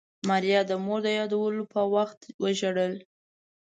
ماريا د مور د يادولو په وخت وژړل.